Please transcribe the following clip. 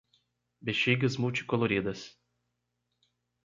Bexigas multicoloridas